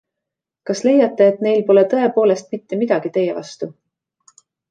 Kas leiate, et neil pole tõepoolest mitte midagi teie vastu?